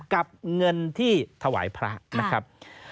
กับเงินที่ถวายพระนะครับ